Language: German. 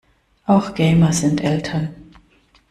Auch Gamer sind Eltern.